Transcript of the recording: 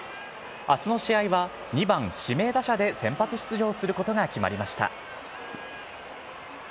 あすの試合は、２番指名打者で先発出場することが決まりました。